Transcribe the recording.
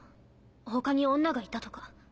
他に女がいたとか？